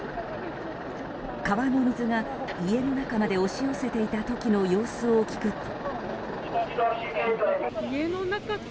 川の水が家の中まで押し寄せていた時の様子を聞くと。